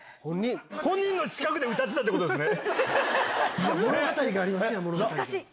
本人の近くで歌ってたってことですね。